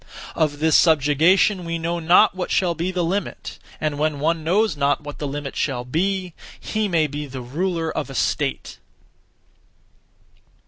Of this subjugation we know not what shall be the limit; and when one knows not what the limit shall be, he may be the ruler of a state.